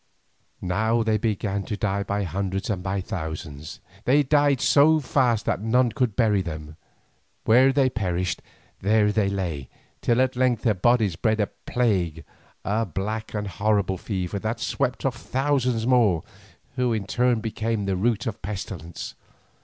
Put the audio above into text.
Now they began to die by hundreds and by thousands, they died so fast that none could bury them. Where they perished, there they lay, till at length their bodies bred a plague, a black and horrible fever that swept off thousands more, who in turn became the root of pestilence.